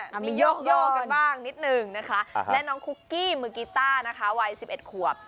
มีโยกกันบ้างนิดหนึ่งนะคะและน้องคุกกี้มือกีต้านะคะวัย๑๑ขวบ